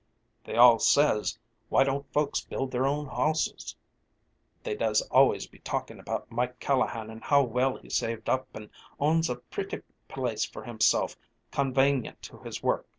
"They all says 'why don't folks build their own houses'; they does always be talking about Mike Callahan and how well he saved up and owns a pritty place for himself convanient to his work.